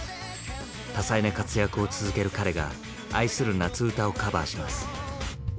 多彩な活躍を続ける彼が愛する「夏うた」をカバーします。